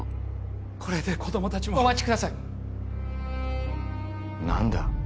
これで子供達もお待ちください何だ？